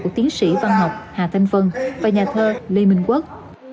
của tiến sĩ văn học hà thanh vân và nhà thơ lê minh quốc